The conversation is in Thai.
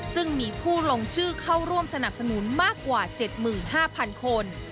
ซึ่งมีผู้ลงชื่อเข้าร่วมสนับสนุนมากกว่า๗๕๐๐คน